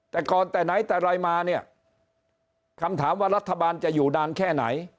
แต่ก่อนแต่ไหนแต่ไรมาเนี่ยคำถามว่ารัฐบาลจะอยู่นานแค่ไหน